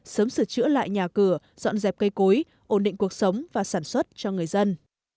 sớm sửa chữa lại nhà cửa dọn dẹp cây cối ổn định cuộc sống và sản xuất cho người dân